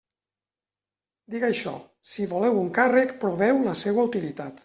Dic això: si voleu un càrrec, proveu la seua utilitat.